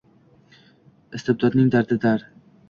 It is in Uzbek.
Istibdodning dardidir.